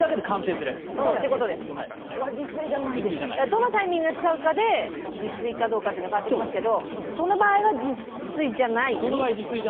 どのタイミングで使うかで自炊かどうかっていうのは変わってきますけどその場合は自炊じゃない。